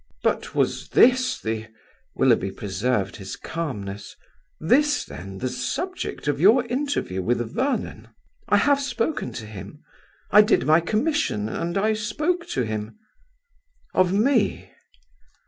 "But was this the ..." Willoughby preserved his calmness, "this, then, the subject of your interview with Vernon?" "I have spoken to him. I did my commission, and I spoke to him." "Of me?"